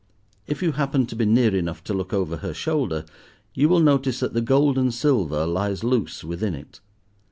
If you happen to be near enough to look over her shoulder, you will notice that the gold and silver lies loose within it.